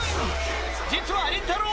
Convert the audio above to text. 実はりんたろー。